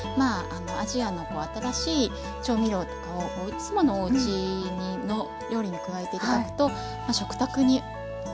アジアの新しい調味料とかをいつものおうちの料理に加えて頂くと食卓に広がりますよね。